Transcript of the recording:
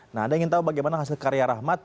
nah ada yang ingin tahu bagaimana hasil karya rahmat